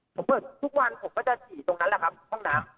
ผมเปิดทุกวันผมก็จะฉี่ตรงนั้นแหละครับห้องน้ำ